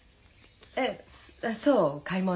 えそう買い物。